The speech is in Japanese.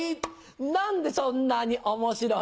何でそんなに面白い？